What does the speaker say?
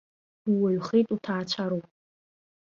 Ууаҩхеит, уҭаацәароуп.